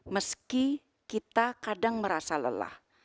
meski kita kadang merasa lelah